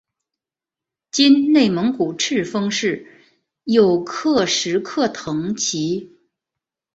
今内蒙古赤峰市有克什克腾旗。